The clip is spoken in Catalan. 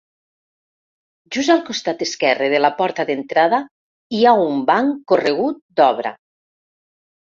Just al costat esquerre de la porta d'entrada, hi ha un banc corregut d'obra.